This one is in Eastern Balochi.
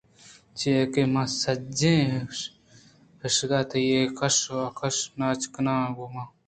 چیاکہ من سجّہئیں کشک ءَ تئی اے کش ءُ آ کش ءَ ناچ کنانءَ گوں باں